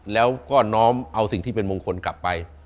แล้วก็น้อมเอาสิ่งที่เป็นมงคลกลับไป